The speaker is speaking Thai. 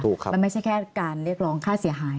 ครับมันไม่ใช่แค่การเรียกร้องค่าเสียหาย